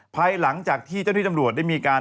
ภายหลังจากที่เจ้าที่ตำรวจได้มีการ